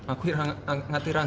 aku tidak ingin